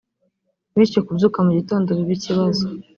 bityo kubyuka mu gitondo bibe ikibazo